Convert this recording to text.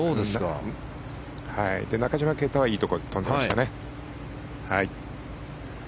中島啓太はいいところに飛んでましたね。